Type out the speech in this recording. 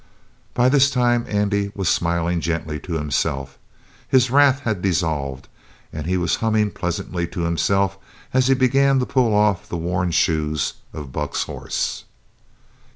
By this time Andy was smiling gently to himself. His wrath had dissolved, and he was humming pleasantly to himself as he began to pull off the worn shoes of Buck's horse.